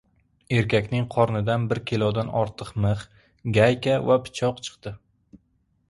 Erkakning qornidan bir kilodan ortiq mix, gayka va pichoq chiqdi